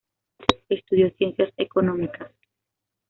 Estudió Ciencias Económicas.